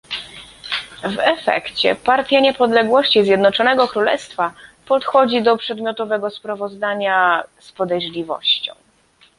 W efekcie Partia Niepodległości Zjednoczonego Królestwa podchodzi do przedmiotowego sprawozdania z podejrzliwością